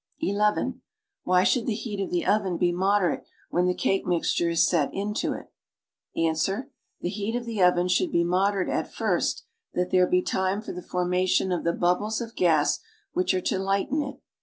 (n) Why should the heat of the oven be moderate when the cake mixture is set into it? Ans. The heat of the oven should be moderate at first that there be time for the formalioTi of llie bidjbles of gas which are to lighten it.